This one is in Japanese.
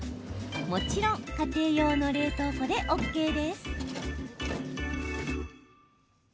もちろん家庭用の冷凍庫でＯＫです。